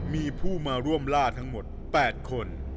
มีผู้มาร่วมล่าทั้งหมด๘คน